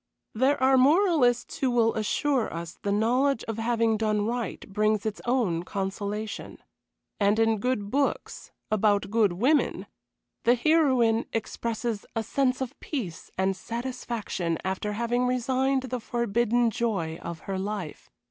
There are moralists who will assure us the knowledge of having done right brings its own consolation. And in good books, about good women, the heroine experiences a sense of peace and satisfaction after having resigned the forbidden joy of her life.